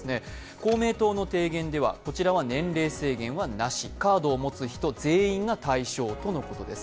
公明党の提言ではこちらは年齢制限はなし、カードを持つ人全員が対象とのことです。